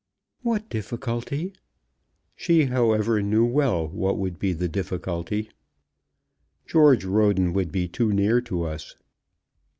"What difficulty?" She, however, knew well what would be the difficulty. "George Roden would be too near to us."